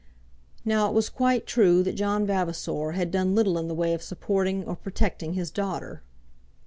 Now it was quite true that John Vavasor had done little in the way of supporting or protecting his daughter.